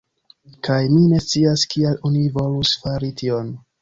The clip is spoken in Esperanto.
Kaj mi ne scias kial oni volus fari tion.